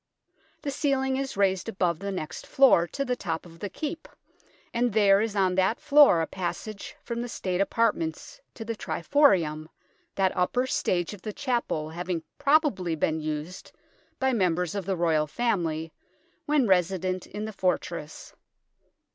The ceiling is raised above the next floor to the top of the Keep, and there is on that floor a passage from the State apartments to the triforium, that upper stage of the chapel having probably been used by members of the Royal family when resident in the fortress.